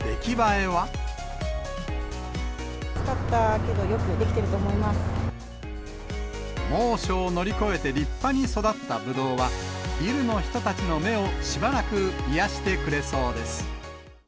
暑かったけど、よくできてる猛暑を乗り越えて立派に育ったぶどうは、ビルの人たちの目をしばらく癒やしてくれそうです。